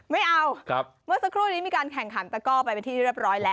ไม่เอาเมื่อสักครู่นี้มีการแข่งขันตะก้อไปเป็นที่เรียบร้อยแล้ว